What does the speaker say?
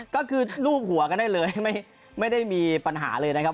ก็คือรูปหัวก็ได้เลยไม่ได้มีปัญหาเลยนะครับ